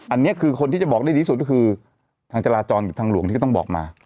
อันนี้คือคนที่จะบอกได้ดีสุดก็คือทางจราจรกับทางหลวงที่ก็ต้องบอกมา